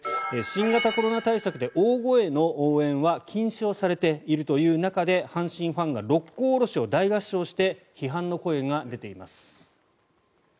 新型コロナ対策で大声の応援は禁止されているという中で阪神ファンが「六甲おろし」を大合唱して批判の声が出ています。